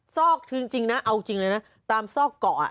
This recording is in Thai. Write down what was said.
ซอกจริงนะเอาจริงเลยนะตามซอกเกาะ